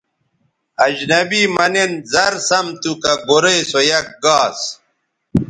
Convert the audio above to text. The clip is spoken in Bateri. اجنبی مہ نِن زر سَم تھو کہ گورئ سو یک گاس